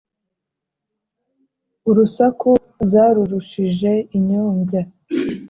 Urusaku zarurushije inyombya